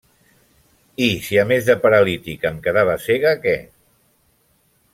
I si a més de paralítica em quedava cega, què?